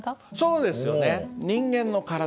そうですね。